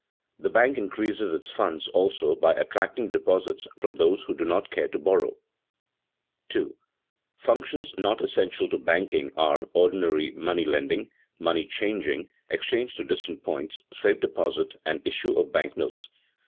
The bank increases its funds also by attracting deposits from those who do not care to borrow. [Sidenote: Other functions usually performed] 2. _Functions not essential to banking are ordinary money lending, money changing, exchange to distant points, safe deposit, and issue of bank notes.